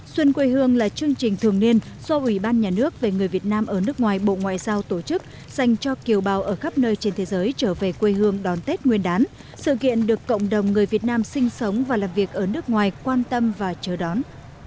xuân quê hương là chương trình thường niên do ủy ban nhà nước về người việt nam ở nước ngoài bộ ngoại giao tổ chức dành cho kiều bào ở khắp nơi trên thế giới trở về quê hương đón tết nguyên đán sự kiện được cộng đồng người việt nam sinh sống và làm việc ở nước ngoài quan tâm và chờ đón